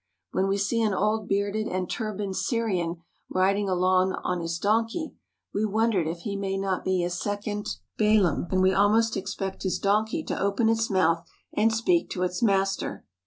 When we see an old bearded and turbaned Syrian riding along on his donkey, we won der if he may not be a second Balaam, and we almost expect his donkey to open its mouth and speak to its master.